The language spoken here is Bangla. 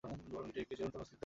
বরং এটি একটি চিরন্তন অস্তিত্ব।